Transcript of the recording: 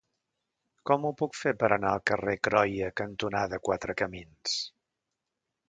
Com ho puc fer per anar al carrer Croia cantonada Quatre Camins?